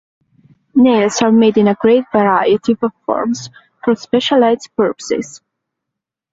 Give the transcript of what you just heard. Nails are made in a great variety of forms for specialized purposes.